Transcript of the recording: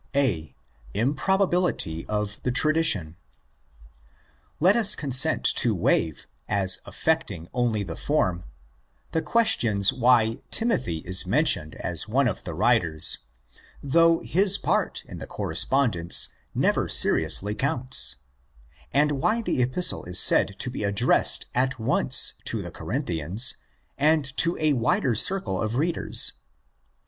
A.—Improbability of the Tradition. Let us consent to waive, as affecting only the form, the questions why Timothy is mentioned as one of the writers, though his part in the correspondence never seriously counts, and why the Epistle is said to be addressed at once to the Corinthians and to a wider circle of readers.